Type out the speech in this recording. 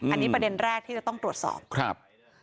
อันนี้ประเด็นแรกที่จะต้องตรวจสอบครับ